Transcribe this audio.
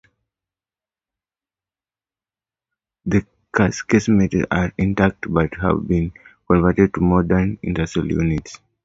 The casemates are intact but have been converted to modern industrial units.